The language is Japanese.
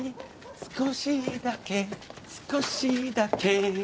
少しだけ少しだけ